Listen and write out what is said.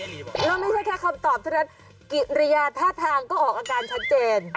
แล้วไม่ใช่แค่คำตอบถ้าระยาธิภาพทางก็ออกอาการชัดเจน